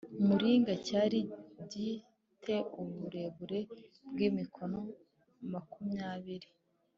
muringa Cyari gi te uburebure bw imikono makumyabiri